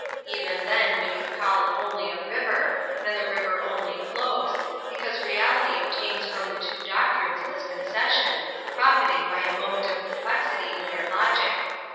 Even then we can call it only a river, and the river only flows, because reality obtains from the two doctrines this concession, profiting by a moment of perplexity in their logic.